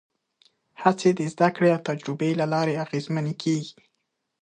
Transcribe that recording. هڅې د زدهکړې او تجربې له لارې اغېزمنې کېږي.